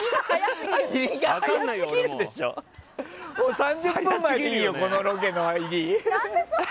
３０分前でいいよこのロケの入り。